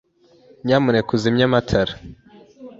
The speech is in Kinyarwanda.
Nyamuneka uzimye amatara.